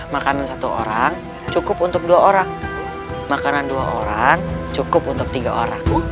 makanan satu orang cukup untuk dua orang makanan dua orang cukup untuk tiga orang